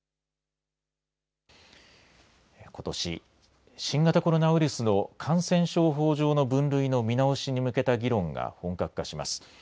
ことし、新型コロナウイルスの感染症法上の分類の見直しに向けた議論が本格化します。